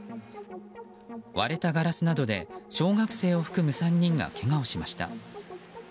割れたガラスなどで小学生を含む３人がけがをしました。